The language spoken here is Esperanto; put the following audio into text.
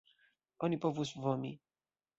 Oni povus vomi.